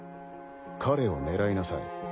彼を狙いなさい。